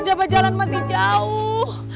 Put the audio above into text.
jabajalan masih jauh